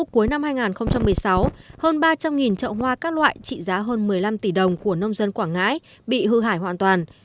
cuối năm hai nghìn một mươi sáu hơn ba trăm linh trậu hoa các loại trị giá hơn một mươi năm tỷ đồng của nông dân quảng ngãi bị hư hại hoàn toàn